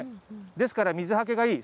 ですから水はけがいい。